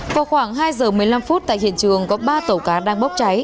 vào khoảng hai h một mươi năm tại hiện trường có ba tàu cá đang bốc cháy